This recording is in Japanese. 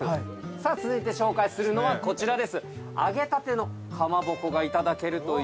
さあ続いて紹介するのはこちらです。